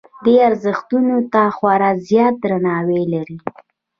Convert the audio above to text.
دې ارزښتونو ته خورا زیات درناوی لري.